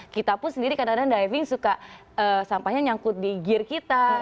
kita pun sendiri kadang kadang diving suka sampahnya nyangkut di gear kita